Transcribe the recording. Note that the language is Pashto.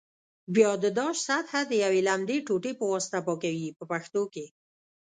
بیا د داش سطحه د یوې لمدې ټوټې په واسطه پاکوي په پښتو کې.